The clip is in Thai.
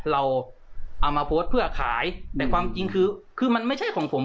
เราเอามาโพสต์เพื่อขายแต่ความจริงคือคือมันไม่ใช่ของผม